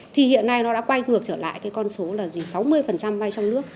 thì hiện nay nó đã quay ngược trở lại con số là sáu mươi vay trong nước